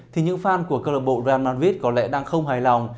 thì những fan của club real madrid có lẽ đang không hài lòng